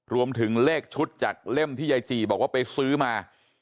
รวมถึงเลขชุดจากเล่มที่ยายจีบอกว่าไปซื้อมา